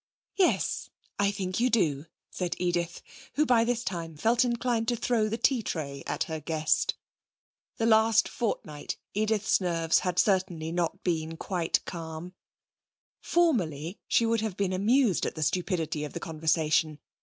'Yes, I think you do,' said Edith, who by this time felt inclined to throw the tea tray at her guest. The last fortnight Edith's nerves had certainly not been quite calm. Formerly she would have been amused at the stupidity of the conversation.